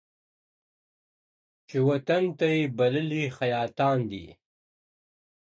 چى وطن ته دي بللي خياطان دي.